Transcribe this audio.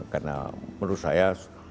karena menurut saya